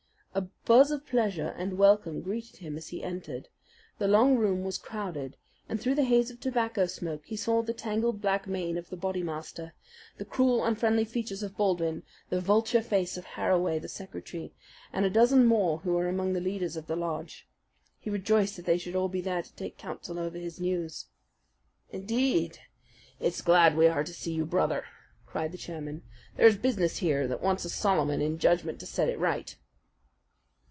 A buzz of pleasure and welcome greeted him as he entered. The long room was crowded, and through the haze of tobacco smoke he saw the tangled black mane of the Bodymaster, the cruel, unfriendly features of Baldwin, the vulture face of Harraway, the secretary, and a dozen more who were among the leaders of the lodge. He rejoiced that they should all be there to take counsel over his news. "Indeed, it's glad we are to see you, Brother!" cried the chairman. "There's business here that wants a Solomon in judgment to set it right."